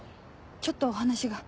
ちょっとお話が。